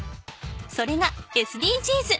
それがＳＤＧｓ。